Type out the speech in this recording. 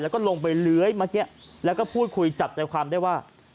แล้วก็ลงไปเลื้อยเมื่อกี้แล้วก็พูดคุยจับใจความได้ว่า